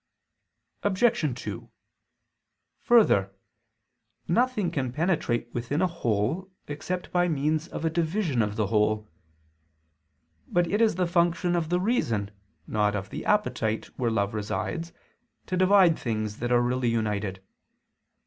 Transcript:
Obj. 2: Further, nothing can penetrate within a whole, except by means of a division of the whole. But it is the function of the reason, not of the appetite where love resides, to divide things that are really united.